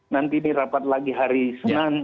nanti ini rapat lagi hari senin